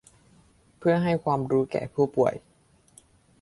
เพื่อให้ความรู้แก่ผู้ป่วย